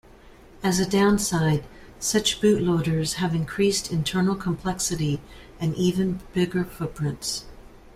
As a downside, such boot loaders have increased internal complexity and even bigger footprints.